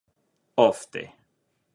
ofte